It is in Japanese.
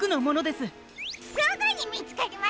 すぐにみつかりましたね。